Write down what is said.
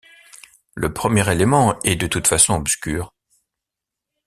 Le premier élément est de toute façon obscur.